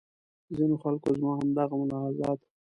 ځینې خلکو زما همدغه ملاحظات.